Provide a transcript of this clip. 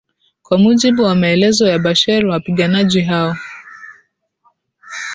kwa mujibu wamaelezo ya basher wapiganaji hao